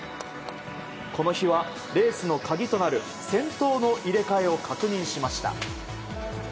この日は、レースの鍵となる先頭の入れ替えを確認しました。